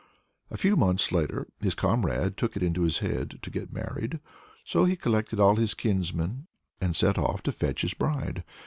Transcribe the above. A few months later his comrade took it into his head to get married. So he collected all his kinsmen, and set off to fetch his bride.